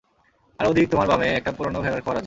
আর, ওদিক, তোমার বামে, একটা পুরানো ভেড়ার খোঁয়াড় আছে।